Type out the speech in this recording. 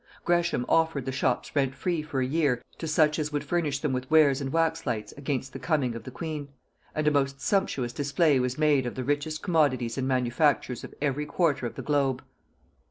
Gresham offered the shops rent free for a year to such as would furnish them with wares and wax lights against the coming of the queen; and a most sumptuous display was made of the richest commodities and manufactures of every quarter of the globe.